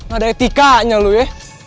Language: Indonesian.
gak ada etikanya lo ya